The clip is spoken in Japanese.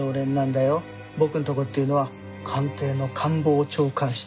僕のとこっていうのは官邸の官房長官室。